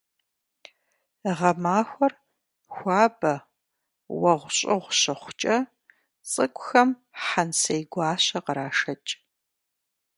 Гъэмахуэр хуабэ, уэгъущӏыгъу щыхъукӏэ, цӏыкӏухэм хьэнцейгуащэ кърашэкӏ.